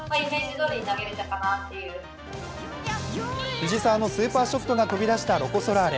藤澤のスーパーショットが飛び出したロコ・ソラーレ。